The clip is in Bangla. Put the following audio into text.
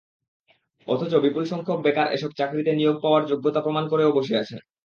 অথচ বিপুলসংখ্যক বেকার এসব চাকরিতে নিয়োগ পাওয়ার যোগ্যতা প্রমাণ করেও বসে আছেন।